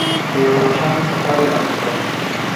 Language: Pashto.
په یوه روښانه سفر یې اړ کړل.